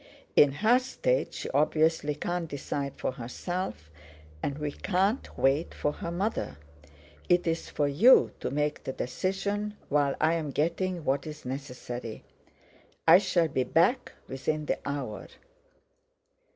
In her state she obviously can't decide for herself, and we can't wait for her mother. It's for you to make the decision, while I'm getting what's necessary. I shall be back within the hour."